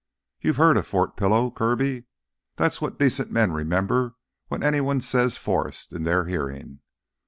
You've heard of Fort Pillow, Kirby? That's what decent men remember when anyone says 'Forrest' in their hearing!